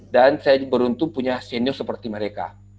dan saya beruntung punya senior seperti mereka